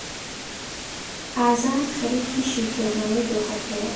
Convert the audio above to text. ئازاد خەریکی شیکردنەوەی دۆخەکەیە.